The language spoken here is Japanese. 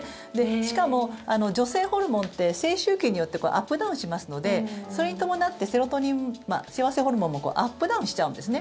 しかも、女性ホルモンって性周期によってアップダウンしますのでそれに伴ってセロトニン、幸せホルモンもアップダウンしちゃうんですね。